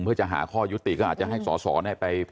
เพื่อจะหาข้อยุติก็อาจจะให้สอสอไป